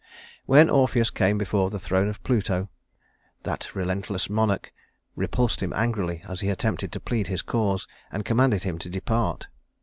When Orpheus came before the throne of Pluto, that relentless monarch repulsed him angrily as he attempted to plead his cause, and commanded him to depart.